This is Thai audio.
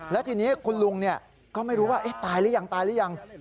แล้วทีนี้คุณลุงก็ไม่รู้ว่าตายหรือยังตายหรือยัง